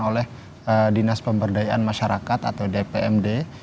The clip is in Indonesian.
oleh dinas pemberdayaan masyarakat atau dpmd